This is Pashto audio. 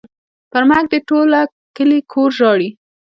پر مرګ دې ټوله کلي کور ژاړي.